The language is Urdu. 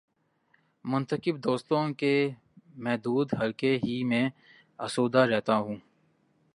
منتخب دوستوں کے محدود حلقے ہی میں آسودہ رہتا ہوں۔